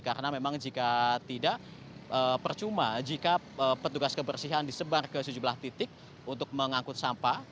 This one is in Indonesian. karena memang jika tidak percuma jika petugas kebersihan disebar ke sejumlah titik untuk mengangkut sampah